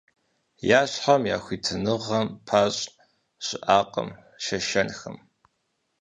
Я щхьэм, я хуитыныгъэм пащӏ щыӏакъым шэшэнхэм.